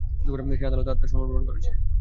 সে আদালতে আত্মসমর্পণ করেছে।